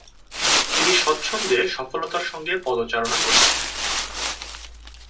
তিনি স্বচ্ছন্দে সফলতার সঙ্গে পদচারণা করেছেন।